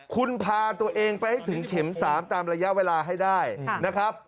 คุณพาตัวเองไปให้ถึงเข็ม๓ตามระยะเวลาให้ได้นะครับ